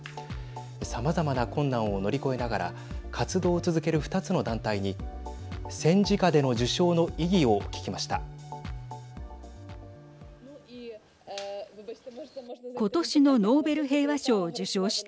さまざまな困難を乗り越えながら活動を続ける２つの団体に戦時下での受賞の意義を聞きました。